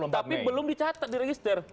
tapi belum dicatat diregister